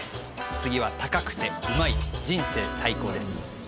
次は高くて旨い人生最高です